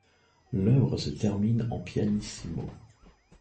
L'œuvre se termine en pianissimo.